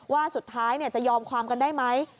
ว่าสุดท้ายจะยอมความกันได้ไหม